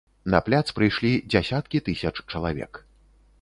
На пляц прыйшлі дзясяткі тысяч чалавек.